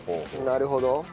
なるほど。